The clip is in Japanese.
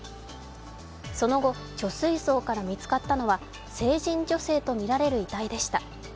その後、貯水槽から見つかったのは成人女性とみられる遺体でした。